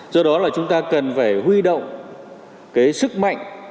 do đó là chúng ta cần phải huy động cái sức mạnh